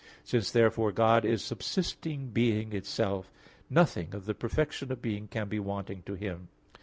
Since therefore God is subsisting being itself, nothing of the perfection of being can be wanting to Him.